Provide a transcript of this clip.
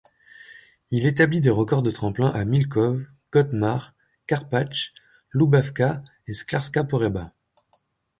Il établit des records de tremplin à Miłków, Kottmar, Karpacz, Lubawka et Szklarska Poręba.